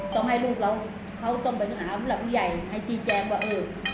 ต้องให้ลูกเราเขาต้องไปต้องหาผู้ใหญ่ให้จีแจงว่าเออ